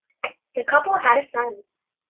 The couple had a son.